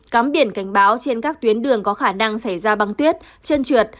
cắm biển cảnh báo trên các tuyến đường có khả năng xảy ra băng tuyết chân trượt